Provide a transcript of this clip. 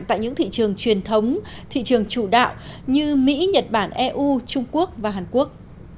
tại những thị trường truyền thống thị trường chủ đạo như mỹ nhật bản eu trung quốc và hàn quốc